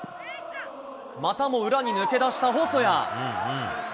またも裏に抜け出した細谷。